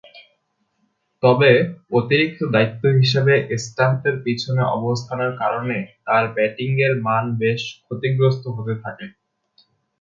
তবে, অতিরিক্ত দায়িত্ব হিসেবে স্ট্যাম্পের পিছনে অবস্থানের কারণে তার ব্যাটিংয়ের মান বেশ ক্ষতিগ্রস্ত হতে থাকে।